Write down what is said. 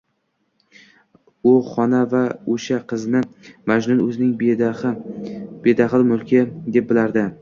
U xona va oʻsha qizni Majnun oʻzining bedaxl mulki deb bilardi.